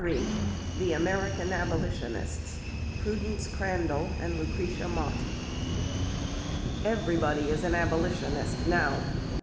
XXIII THE AMERICAN ABOLITIONISTS PRUDENCE CRANDALL AND LUCRETIA MOTT EVERYBODY is an Abolitionist now.